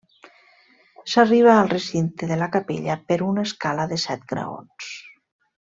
S'arriba al recinte de la capella per una escala de set graons.